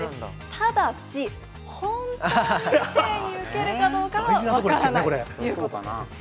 ただし、本当に異性に受けるかどうかは分からないということなんです。